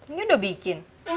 ini udah bikin